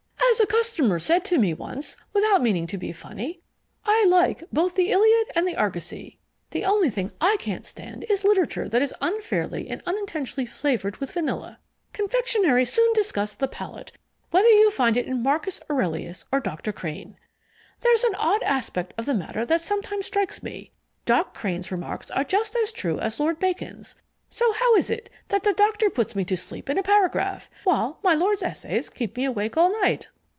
"As a customer said to me once, without meaning to be funny, 'I like both the Iliad and the Argosy.' The only thing I can't stand is literature that is unfairly and intentionally flavoured with vanilla. Confectionery soon disgusts the palate, whether you find it in Marcus Aurelius or Doctor Crane. There's an odd aspect of the matter that sometimes strikes me: Doc Crane's remarks are just as true as Lord Bacon's, so how is it that the Doctor puts me to sleep in a paragraph, while my Lord's essays keep me awake all night?"